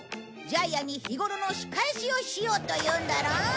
ジャイアンに日頃の仕返しをしようというんだろ？